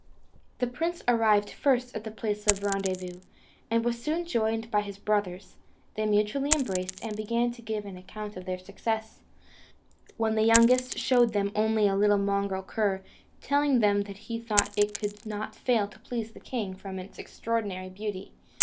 The prince arrived first at the place of rendezvous, and was soon joined by his brothers: they mutually embraced, and began to give an account of their success; when the youngest showed them only a little mongrel cur, telling them that he thought it could not fail to please the king, from its extraordinary beauty.